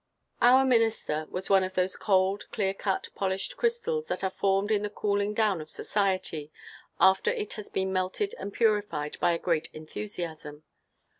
Our minister was one of those cold, clear cut, polished crystals, that are formed in the cooling down of society, after it has been melted and purified by a great enthusiam.